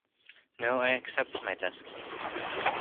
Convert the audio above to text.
No, I accept my destiny.